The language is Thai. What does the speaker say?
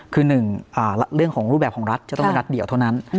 คือหนึ่งเรื่องของรูปแบบของรัฐจะต้องเป็นรัฐเดียวเท่านั้น